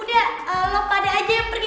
udah lo pada aja yang pergi